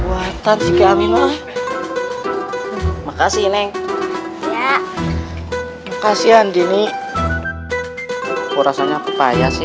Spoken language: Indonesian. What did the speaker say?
buatan sike aminul makasih neng ya kasian dini kurasannya pupaya sih